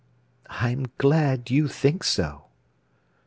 "I'm glad you think so."